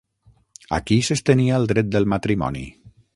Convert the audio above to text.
A qui s'estenia el dret del matrimoni?